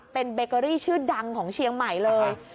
เป็นเบเกอรี่ชื่อดังของเชียงใหม่เลย